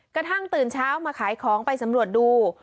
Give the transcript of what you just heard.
กระทั่งตื่นเช้ามาขายของไปสำรวจดู